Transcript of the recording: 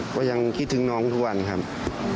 ก็ยังคิดถึงน้องทุกวันครับ